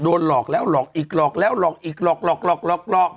หลอกแล้วหลอกอีกหลอกแล้วหลอกอีกหลอกหลอกหลอกหลอก